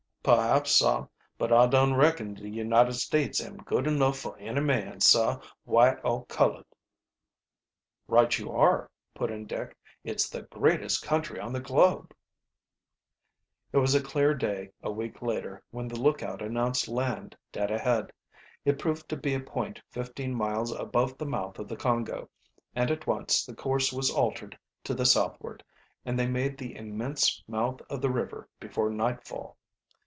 "Perhaps, sah; but I dun reckon de United States am good enough for any man, sah, white or colored." "Right you are," put in Dick. "It's the greatest country on the globe." It was a clear day a week later when the lookout announced land dead ahead. It proved to be a point fifteen miles above the mouth of the Congo, and at once the course was altered to the southward, and they made the immense mouth of the river before nightfall.